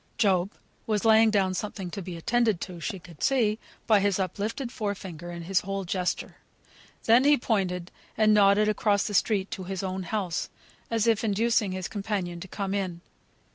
Job was laying down something to be attended to she could see, by his up lifted fore finger, and his whole gesture; then he pointed and nodded across the street to his own house, as if inducing his companion to come in.